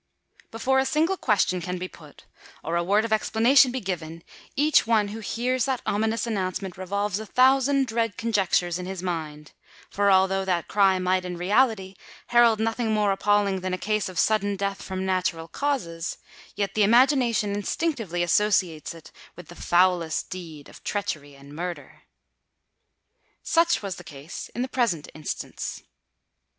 Before a single question can be put, or a word of explanation be given, each one who hears that ominous announcement revolves a thousand dread conjectures in his mind: for although that cry might in reality herald nothing more appalling than a case of sudden death from natural causes, yet the imagination instinctively associates it with the foulest deed of treachery and murder. Such was the case in the present instance.